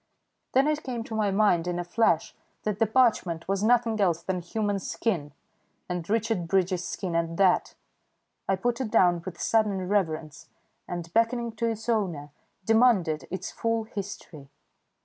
Then it came to my mind in a flash that the parchment was nothing else than human skin, and Richard Bridges' skin at that. I put it down with sudden reverence, and, beckoning to its owner, demanded its full history.